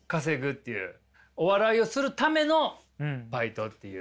お笑いをするためのバイトっていう。